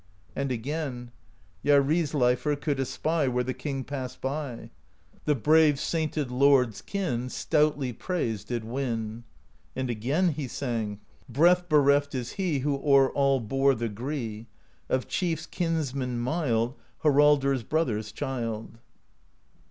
And again: Jarizleifr could espy Where the king passed by: The brave, sainted lord's kin Stoutly praise did win. And again he sang: Breath bereft is he Who o'er all bore the gree, — Of chiefs kinsman mild, Haraldr's brother's child.